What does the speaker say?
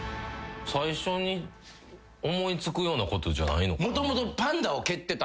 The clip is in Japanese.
最初に思い付くようなことじゃないのかな？